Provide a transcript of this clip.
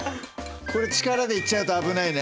これ力でいっちゃうと危ないね。